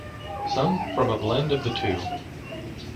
Some from a blend of the two.